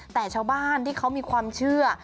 แต่ชาวบ้านที่เขามีความเชื่อ